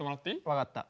わかった。